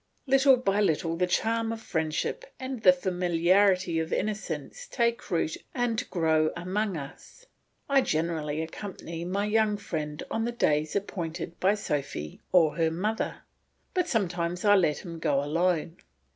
Little by little the charm of friendship and the familiarity of innocence take root and grow among us. I generally accompany my young friend on the days appointed by Sophy or her mother, but sometimes I let him go alone.